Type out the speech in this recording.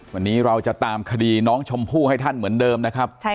วันนี้เราจะตามคดีน้องชมพู่ให้ท่านเหมือนเดิมนะครับ